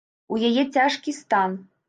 У яе цяжкі стан.